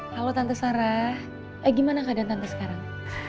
kalau tante sarah gimana keadaan tante sekarang